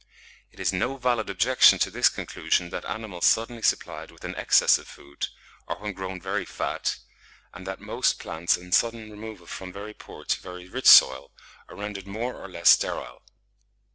It is no valid objection to this conclusion that animals suddenly supplied with an excess of food, or when grown very fat; and that most plants on sudden removal from very poor to very rich soil, are rendered more or less sterile.